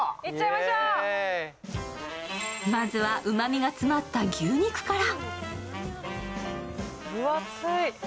まずは、うまみが詰まった牛肉から。